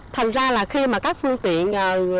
thành ra là khi mà các phương tiện